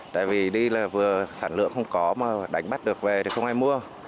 tại vì đi là vừa sản lượng không có mà đánh bắt được về thì không ai mua